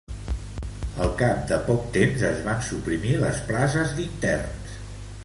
Al cap de poc temps es van suprimir les places d'interns.